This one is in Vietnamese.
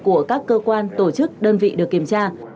của các cơ quan tổ chức đơn vị được kiểm tra